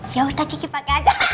yaudah kiki pakai aja